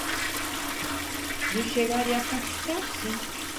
Bir şeyler yapmak ister misin?